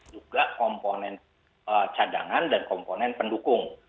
juga komponen cadangan dan komponen pendukung